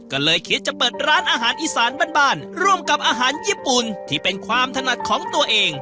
ก็เลยคิดจะเปิดร้านอาหารอีสานบ้านร่วมกับอาหารญี่ปุ่นที่เป็นความถนัดของตัวเอง